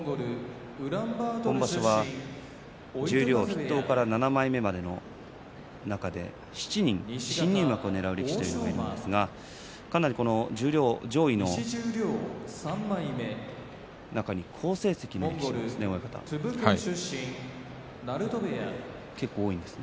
今場所は十両筆頭から７枚目までの中で７人新入幕をねらう力士がいるんですがかなり十両上位の中に好成績の力士がいるんですね。